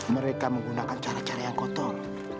mereka menggunakan cara cara yang kotor